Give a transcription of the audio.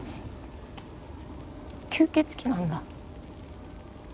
吸血鬼なんだ。